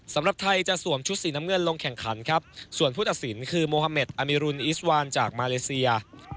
สำหรับไทยจะสวมชุดสีน้ำเงินลงแข่งขันครับส่วนผู้ตัดสินคือโมฮาเมดอามิรุนอิสวานจากมาเลเซีย